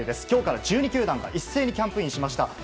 今日から１２球団が一斉にキャンプインしました。